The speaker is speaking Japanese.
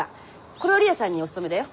小料理屋さんにお勤めだよ。